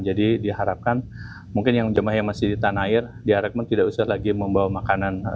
jadi diharapkan mungkin yang jemaah yang masih di tanah air diharapkan tidak usah lagi membawa makanan